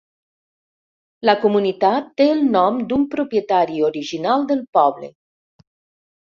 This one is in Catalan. La comunitat té el nom d'un propietari original del poble.